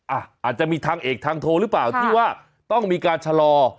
อาจจะมีทางเอกทางโทรหรือเปล่าที่ว่าต้องมีการชะลอ